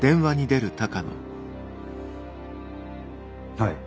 はい。